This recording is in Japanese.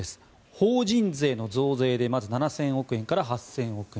法人税の増税で、まず７０００億円から８０００億円